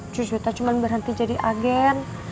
cucu kita cuman berhenti jadi agen